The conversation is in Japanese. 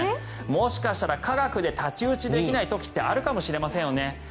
もしかしたら科学で太刀打ちできない時ってあるかもしれませんよね。